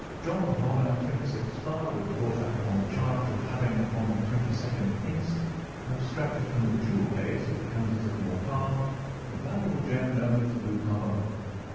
John Horner, 26, plumber, was brought up upon the charge of having upon the 22nd inst., abstracted from the jewel case of the Countess of Morcar the valuable gem known as the blue carbuncle.